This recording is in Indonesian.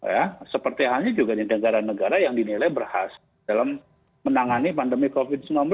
ya seperti halnya juga di negara negara yang dinilai berhasil dalam menangani pandemi covid sembilan belas